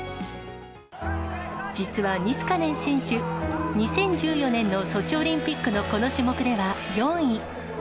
実はニスカネン選手、２０１４年のソチオリンピックのこの種目では４位。